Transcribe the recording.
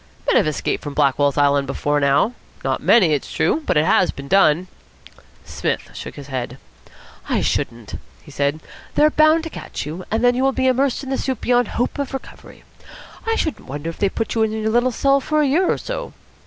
"Men have escaped from Blackwell's Island before now. Not many, it's true; but it has been done." Psmith shook his head. "I shouldn't," he said. "They're bound to catch you, and then you will be immersed in the soup beyond hope of recovery. I shouldn't wonder if they put you in your little cell for a year or so."